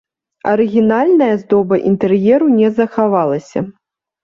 Арыгінальная аздоба інтэр'еру не захавалася.